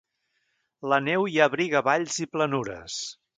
La neu ja abriga valls i planures.